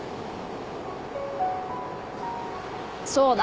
そうだ。